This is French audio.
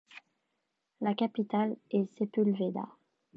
La capitale est Sepúlveda.